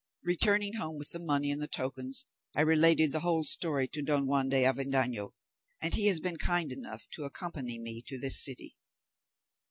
Returning home with the money and the tokens, I related the whole story to Don Juan de Avendaño, and he has been kind enough to accompany me to this city."